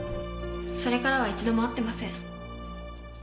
それからは一度も会ってません。